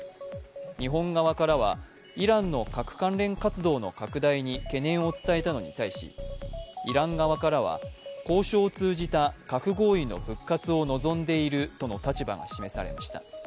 日本側からは、イランの核関連活動の拡大に懸念を伝えたのに対し、イラン側からは交渉を通じた核合意の復活を望んでいるとの立場が示されました。